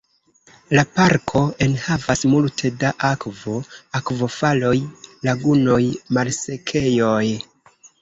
La parko enhavas multe da akvo: akvofaloj, lagunoj, malsekejoj.